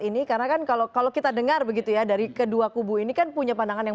ini karena kan kalau kalau kita dengar begitu ya dari kedua kubu ini kan punya pandangan yang